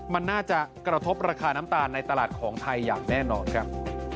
มันน่าจะกระทบราคาน้ำตาลในตลาดของไทยอย่างแน่นอนครับ